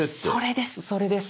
それですそれです。